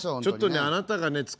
ちょっとねあなたがね